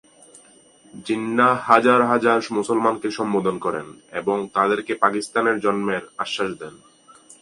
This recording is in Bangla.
জিন্নাহ হাজার হাজার মুসলমানকে সম্বোধন করেন এবং তাদেরকে পাকিস্তানের জন্মের আশ্বাস দেন।